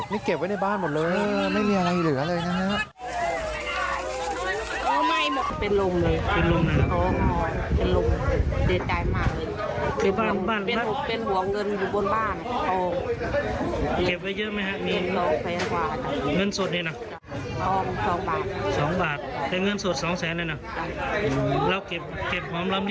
นี่เก็บไว้ในบ้านหมดเลยไม่มีอะไรเหลือเลยนะฮะ